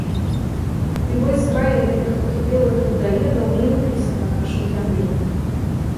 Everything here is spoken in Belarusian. І вось зграі гэтых атупелых людаедаў рынуліся на нашу зямлю.